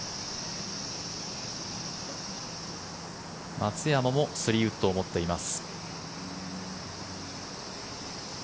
松山も３ウッドを持っています。